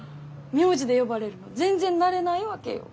名字で呼ばれるの全然慣れないわけよ。